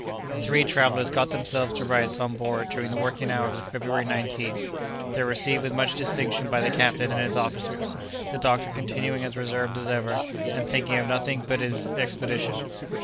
The three travellers got themselves to rights on board during the working hours of February 19th. They were received with much distinction by the captain and his officers, the doctor continuing as reserved as ever, and thinking of nothing but his expedition.